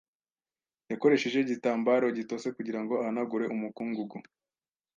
Yakoresheje igitambaro gitose kugirango ahanagure umukungugu.